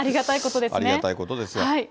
ありがたいことですね。